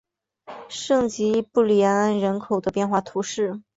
圣吉布里安人口变化图示